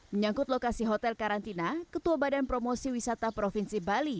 menyangkut lokasi hotel karantina ketua badan promosi wisata provinsi bali